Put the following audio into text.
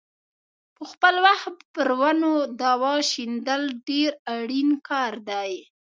په خپل وخت پر ونو دوا شیندل ډېر اړین کار دی.